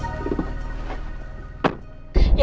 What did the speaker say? tidak siap dude